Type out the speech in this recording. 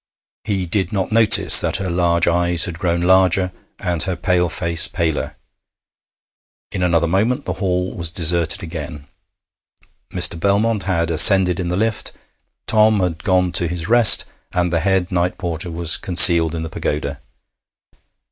He did not notice that her large eyes had grown larger and her pale face paler. In another moment the hall was deserted again. Mr. Belmont had ascended in the lift, Tom had gone to his rest, and the head night porter was concealed in the pagoda.